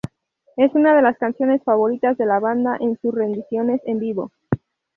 Es una de las canciones favoritas de la banda en sus rendiciones en vivo.